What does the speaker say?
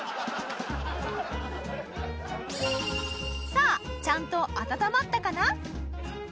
さあちゃんと温まったかな？